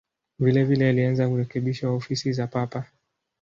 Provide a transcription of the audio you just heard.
Vilevile alianza urekebisho wa ofisi za Papa.